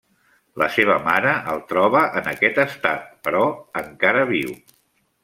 La seva mare el troba en aquest estat, però encara viu.